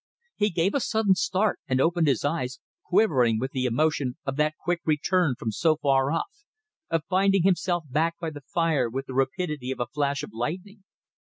He gave a sudden start and opened his eyes, quivering with the emotion of that quick return from so far, of finding himself back by the fire with the rapidity of a flash of lightning.